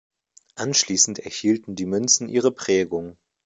Anschließend erhielten die Münzen ihre Prägung.